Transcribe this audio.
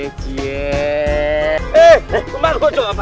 eh kemarin aku coba pak